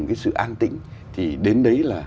cái sự an tĩnh thì đến đấy là